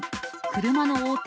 車の横転